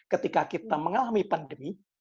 ketika kita mengalami pandemi